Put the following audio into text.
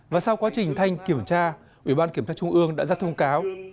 và sau quá trình thanh kiểm tra ủy ban kiểm tra trung ương đã ra thông cáo